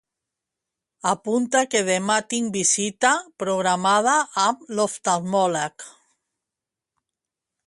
Apunta que demà tinc visita programada amb l'oftalmòleg.